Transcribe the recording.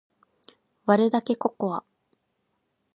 割るだけココア